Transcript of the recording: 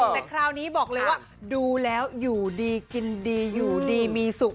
แต่คราวนี้บอกเลยว่าดูแล้วอยู่ดีกินดีอยู่ดีมีสุข